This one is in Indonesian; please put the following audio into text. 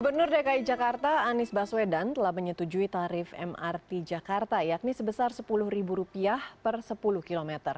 gubernur dki jakarta anies baswedan telah menyetujui tarif mrt jakarta yakni sebesar rp sepuluh per sepuluh km